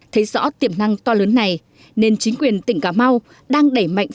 thấy rõ tiềm năng to lớn này nên chính quyền tỉnh cà mau đang đẩy mạnh